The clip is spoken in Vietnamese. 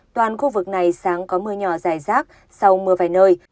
toàn khu vực này sáng có mưa nhỏ dài rác sau mưa vài nơi